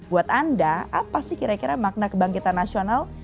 buat anda apa sih kira kira makna kebangkitan nasional